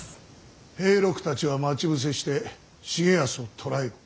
平六たちは待ち伏せして重保を捕らえよ。